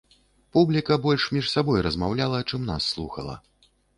Публіка больш між сабой размаўляла, чым нас слухала.